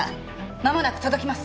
まもなく届きます。